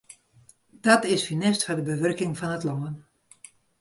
Dat is funest foar de bewurking fan it lân.